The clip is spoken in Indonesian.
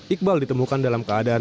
iqbal ditemukan dalam keadaan